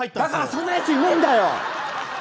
そんなやついねえんだよ。